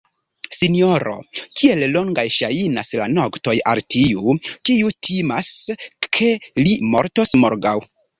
sinjoro, kiel longaj ŝajnas la noktoj al tiu, kiu timas, ke li mortos morgaŭ!